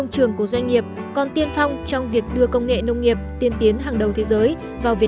tới nền nông nghiệp trên toàn thế giới